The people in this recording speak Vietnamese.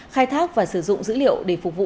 khai thác và sử dụng dữ liệu để phục vụ